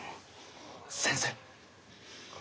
先生。